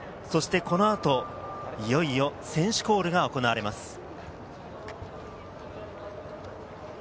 そしてこの後、いよいよ選手コールが行われます。